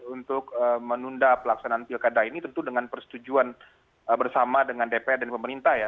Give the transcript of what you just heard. untuk menunda pelaksanaan pilkada ini tentu dengan persetujuan bersama dengan dpr dan pemerintah ya